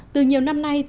từ nhiều năm nay